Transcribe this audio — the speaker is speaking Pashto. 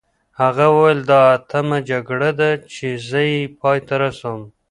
هغه وویل دا اتمه جګړه ده چې زه یې پای ته رسوم.